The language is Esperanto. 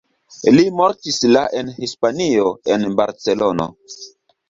Li mortis la en Hispanio en Barcelono.